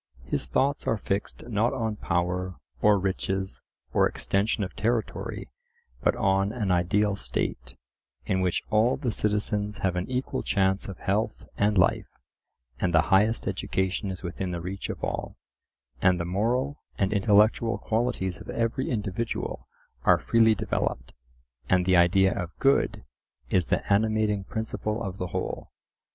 His thoughts are fixed not on power or riches or extension of territory, but on an ideal state, in which all the citizens have an equal chance of health and life, and the highest education is within the reach of all, and the moral and intellectual qualities of every individual are freely developed, and "the idea of good" is the animating principle of the whole.